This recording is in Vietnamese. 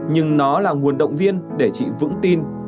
nhưng nó là nguồn động viên để chị vững tin